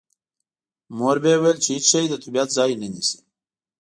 مور به یې ویل چې هېڅ شی د طبیعت ځای نه نیسي